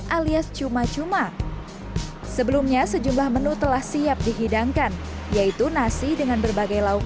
alias cuma cuma sebelumnya sejumlah menu telah siap dihidangkan yaitu nasi dengan berbagai lauk